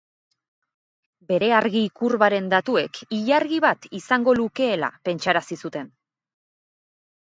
Bere argi kurbaren datuek, ilargi bat izango lukeela pentsarazi zuten.